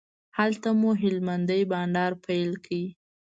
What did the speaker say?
هلته مو هلمندی بانډار پیل کړ.